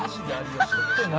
「何？